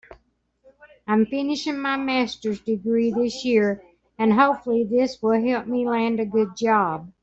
I'm finishing my masters degree this year and hopefully this will help me land a good job.